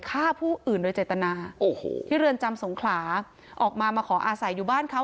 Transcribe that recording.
ฆ่าผู้อื่นโดยเจตนาโอ้โหที่เรือนจำสงขลาออกมามาขออาศัยอยู่บ้านเขา